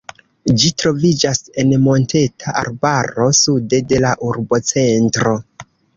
Ĝi troviĝas en monteta arbaro sude de la urbocentro.